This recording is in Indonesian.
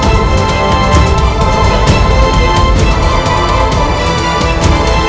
aku harus menggunakan ajem pabuk kasku